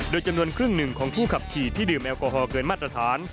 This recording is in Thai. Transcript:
โดยจำนวนครึ่งหนึ่งของผู้ขับขี่ที่ดื่มแอลกอฮอลเกินมาตรฐาน